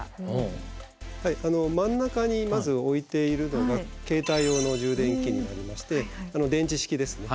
真ん中にまず置いているのが携帯用の充電器になりまして電池式ですね。